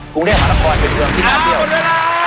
ภูเวียนธรรมดาคอยเป็นเรื่องที่น่าเที่ยวอ้าวเวลา